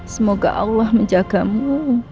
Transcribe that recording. semoga allah menjagamu